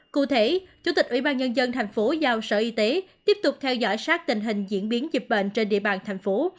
cụ thể chủ tịch ủy ban nhân dân thành phố giao sở y tế tiếp tục theo dõi sát tình hình diễn biến dịch bệnh trên địa bàn thành phố